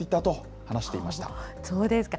そうですか。